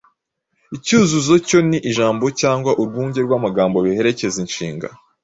Icyuzuzo cyo ni ijambo cyangwa urwunge rw’amagambo biherekeza inshinga